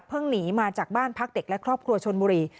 หนีมาจากบ้านพักเด็กและครอบครัวชนบุรี